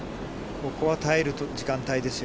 ここは耐える時間帯ですよ。